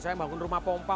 saya bangun rumah pompa